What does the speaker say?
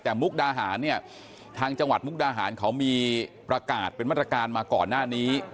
แต่มุกดาหารเนี่ยทางจังหวัดมุกดาหารเขามีประกาศเป็นมาตรการมาก่อนหน้านี้